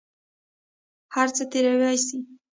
هر څه تېروى سي.